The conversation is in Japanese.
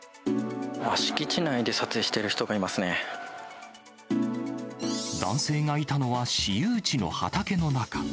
敷地内で撮影している人がい男性がいたのは私有地の畑の中。